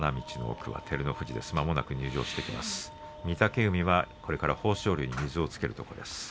御嶽海が豊昇龍に水をつけるところです。